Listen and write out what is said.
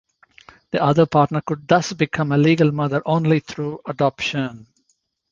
The other partner could thus become a legal mother only through adoption.